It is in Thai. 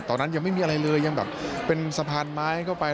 ตอนนั้นยังไม่มีอะไรเลยยังแบบเป็นสะพานไม้เข้าไป